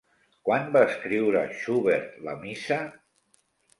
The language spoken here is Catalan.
Quan va escriure Schubert la missa?